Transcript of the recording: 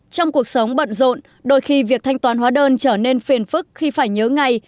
trong cuộc sống bận rộn đôi khi việc thanh toán hóa đơn trở nên phiền phức khi phải nhớ ngày